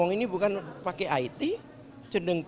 ini bukan pakai it